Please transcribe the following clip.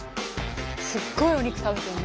すっごいお肉食べてるね。